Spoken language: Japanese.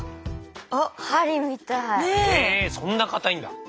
へえそんな硬いんだ。